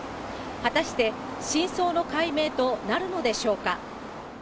果たして真相の解明となるのでしょうか。